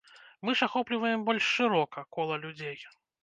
Мы ж ахопліваем больш шырока кола людзей.